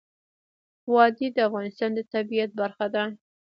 وادي د افغانستان د طبیعت برخه ده.